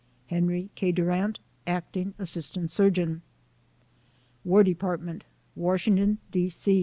HENRY K. DURBANT, Act. Ass. Surgeon. WAR DEPARTMENT, WASHINGTON, D. C.